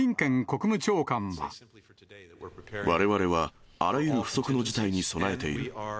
われわれは、あらゆる不測の事態に備えている。